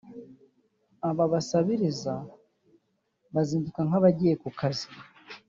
aba basabiriza bazinduka nk’abagiye ku kazi